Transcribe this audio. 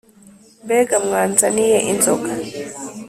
Mbega mwanzaniye inzoga ?»